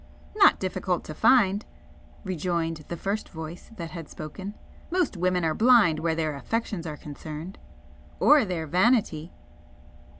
"Not difficult to find!" rejoined the first voice that had spoken, "Most women are blind where their affections are concerned." "Or their vanity!"